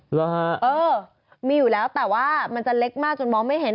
เหรอฮะเออมีอยู่แล้วแต่ว่ามันจะเล็กมากจนมองไม่เห็น